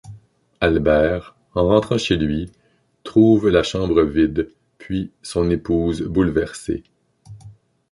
Albert, en rentrant chez lui, trouve la chambre vide, puis son épouse bouleversée.